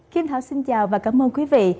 kim thảo xin chào và cảm ơn quý vị